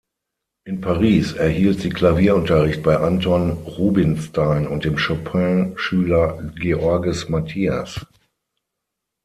In Paris erhielt sie Klavierunterricht bei Anton Rubinstein und dem Chopin-Schüler Georges Matthias.